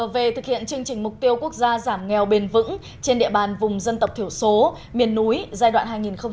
về thực hiện chương trình mục tiêu quốc gia giảm nghèo bền vững trên địa bàn vùng dân tộc thiểu số miền núi giai đoạn hai nghìn một mươi sáu hai nghìn hai mươi